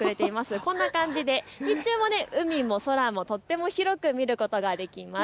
こんな感じで日中も海も空もとっても広く見ることができるんです。